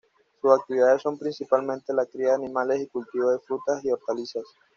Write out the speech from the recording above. Sus actividades son principalmente la cría de animales y cultivo de frutas y hortalizas.